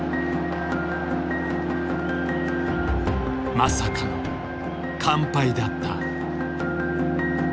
まさかの完敗だった。